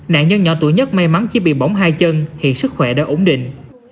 nạn nhân nhỏ tuổi nhất may mắn chỉ bị bỏng hai chân hiện sức khỏe đã ổn định